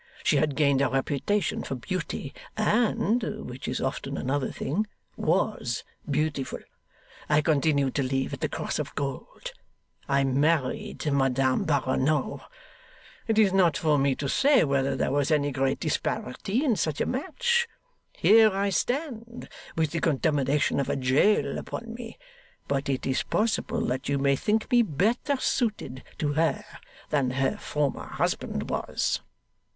She had gained a reputation for beauty, and (which is often another thing) was beautiful. I continued to live at the Cross of Gold. I married Madame Barronneau. It is not for me to say whether there was any great disparity in such a match. Here I stand, with the contamination of a jail upon me; but it is possible that you may think me better suited to her than her former husband was.